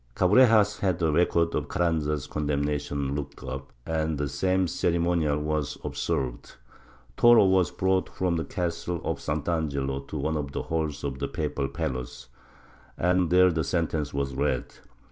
Cabrejas had the records of Carranza's condemnation looked up, and the same ceremonial w^as observed, Toro was brought from the castle of Sant'Angelo to one of the halls of the papal palace, and there the sentence was read.